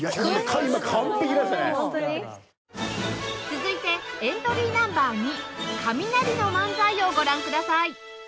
続いてエントリーナンバー２カミナリの漫才をご覧ください